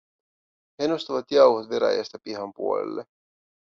He nostavat jauhot veräjästä pihan puolelle.